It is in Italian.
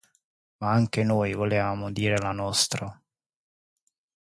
Ma anche noi volevamo dire la nostra.